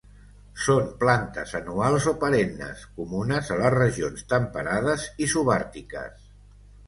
Són plantes anuals o perennes comunes a les regions temperades i subàrtiques.